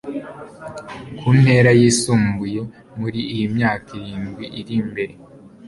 ku ntera yisumbuye muri iyi myaka irindwi iri imbere